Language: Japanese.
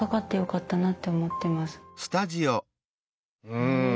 うん！